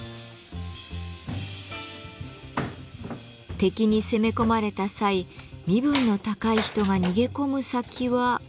敵に攻め込まれた際身分の高い人が逃げ込む先は。